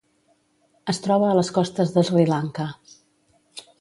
Es troba a les costes de Sri Lanka.